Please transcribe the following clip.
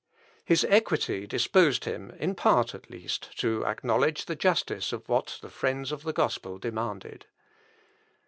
His equity disposed him, in part at least, to acknowledge the justice of what the friends of the gospel demanded.